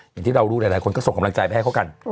อย่างที่เรารู้หลายคนก็ส่งกำลังใจไปให้เขากัน